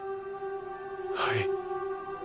はい。